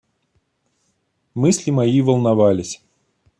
Мысли мои волновались.